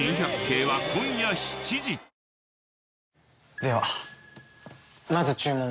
ではまず注文を。